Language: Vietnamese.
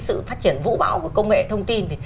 sự phát triển vũ bão của công nghệ thông tin